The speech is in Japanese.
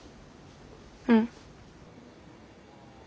うん。